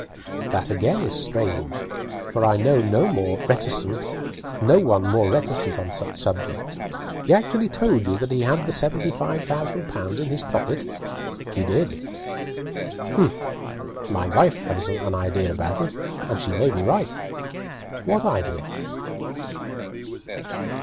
"That again is strange, for I know no one more reticent on such subjects. He actually told you that he had the seventy five thousand pounds in his pocket?" "He did." "Humph! My wife has an idea about it, and she may be right " "What idea?"